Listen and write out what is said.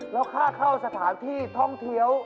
แล้วค่าเข้าสถานที่ท่องเที่ยว